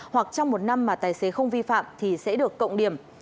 hoặc trong một năm mà tài xế không vi phạm thì sẽ được cộng điểm